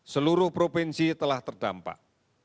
seluruh provinsi telah terdampak